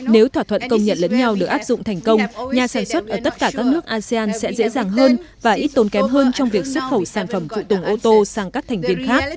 nếu thỏa thuận công nhận lẫn nhau được áp dụng thành công nhà sản xuất ở tất cả các nước asean sẽ dễ dàng hơn và ít tốn kém hơn trong việc xuất khẩu sản phẩm phụ tùng ô tô sang các thành viên khác